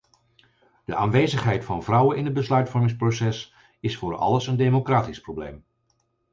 De aanwezigheid van vrouwen in het besluitvormingsproces is voor alles een democratisch probleem.